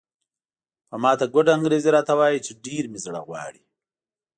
په ماته ګوډه انګریزي راته وایي چې ډېر مې زړه غواړي.